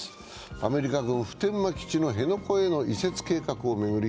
アメリカ軍普天間基地の辺野古への移設計画を巡り